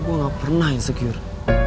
gue gak pernah insecure